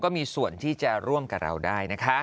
มีส่วนที่จะร่วมกับเราได้นะคะ